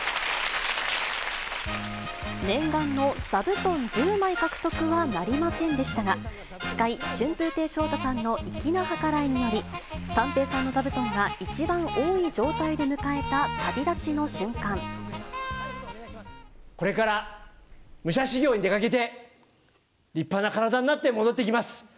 念願の座布団１０枚獲得はなりませんでしたが、司会、春風亭昇太さんの粋な計らいにより、三平さんの座布団が一番多いこれから武者修行に出かけて、立派な体になって戻ってきます。